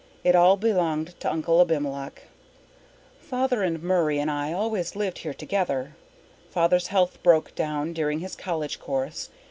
It all belonged to Uncle Abimelech. Father and Murray and I had always lived here together. Father's health broke down during his college course.